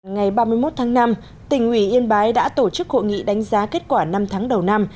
ngày ba mươi một tháng năm tỉnh ủy yên bái đã tổ chức hội nghị đánh giá kết quả năm tháng đầu năm